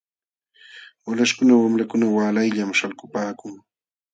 Walaśhkuna wamlakuna waalayllam śhalkupaakun .